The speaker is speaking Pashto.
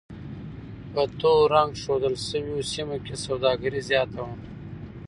په تور رنګ ښودل شویو سیمو کې سوداګري زیاته وه.